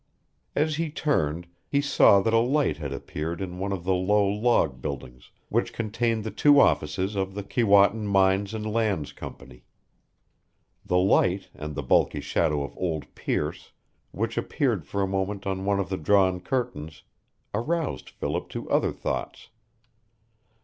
As he turned he saw that a light had appeared in one of the low log buildings which contained the two offices of the Keewatin Mines and Lands Company. The light, and the bulky shadow of old Pearce, which appeared for a moment on one of the drawn curtains, aroused Philip to other thoughts.